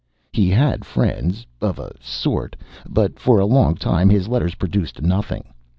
He had friends, of a sort, but for a long time his letters produced nothing.